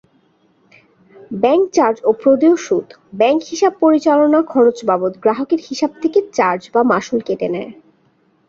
Bank charge ও প্রদেয় সুদ: ব্যাংক হিসাব পরিচালনা খরচ বাবদ গ্রাহকের হিসাব থেকে চার্জ বা মাশুল কেটে নেয়।